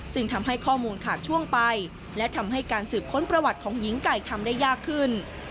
ทำให้ข้อมูลขาดช่วงไปและทำให้การสืบค้นประวัติของหญิงไก่ทำได้ยากขึ้น